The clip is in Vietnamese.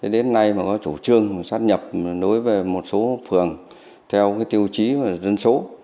đến nay mà có chủ trương sát nhập đối với một số phường theo tiêu chí và dân số